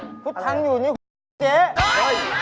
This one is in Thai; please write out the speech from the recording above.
นี่พุทธทางอยู่ในเจ๊อัคตรีครับโอ้โฮนี่หน่อย